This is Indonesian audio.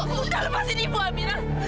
bukan lepasin ibu amira